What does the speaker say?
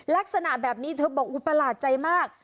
ลักษณะแบบนี้เธอบอกอุ๊ยประหลาดใจมาก